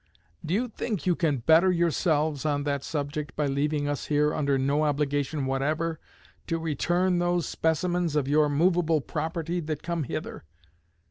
Do you think you can better yourselves on that subject by leaving us here under no obligation whatever to return those specimens of your movable property that come hither?